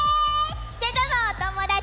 瀬戸のおともだち！